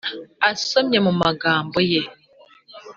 asomye mu magambo ye;